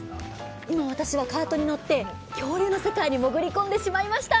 今、私はカートに乗って恐竜の世界に迷い込んでしまいました。